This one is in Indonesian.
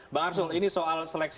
bang arsul ini soal seleksi